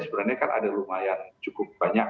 sebenarnya kan ada lumayan cukup banyak